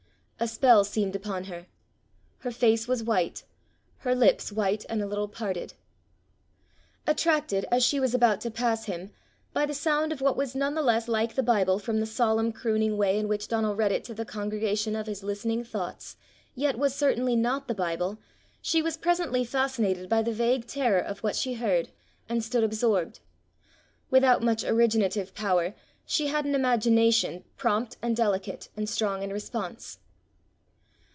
A spell seemed upon her; her face was white, her lips white and a little parted. Attracted, as she was about to pass him, by the sound of what was none the less like the Bible from the solemn crooning way in which Donal read it to the congregation of his listening thoughts, yet was certainly not the Bible, she was presently fascinated by the vague terror of what she heard, and stood absorbed: without much originative power, she had an imagination prompt and delicate and strong in response.